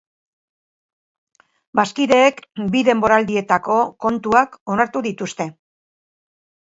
Bazkideek bi denboraldietako kontuak onartu dituzte.